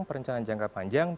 perencanaan jangka panjang